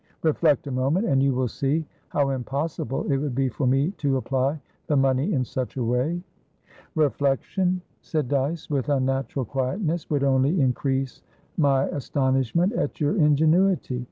Reflect a moment, and you will see how impossible it would be for me to apply the money in such a way." "Reflection," said Dyce, with unnatural quietness, "would only increase my astonishment at your ingenuity.